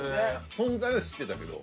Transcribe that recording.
存在は知ってたけど。